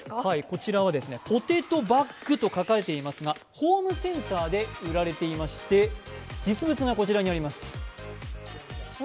こちらはポテトバッグと書かれていますがホームセンターで売られていまして、実物がこちらにあります。